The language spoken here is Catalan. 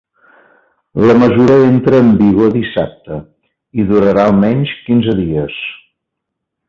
La mesura entra en vigor dissabte i durarà almenys quinze dies.